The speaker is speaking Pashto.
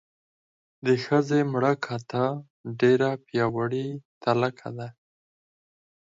د ښځې مړه کاته ډېره پیاوړې تلکه ده.